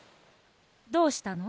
どうしたの？